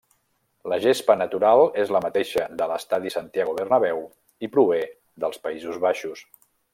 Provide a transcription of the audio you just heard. La gespa natural és la mateixa de l'estadi Santiago Bernabéu, i prové dels Països Baixos.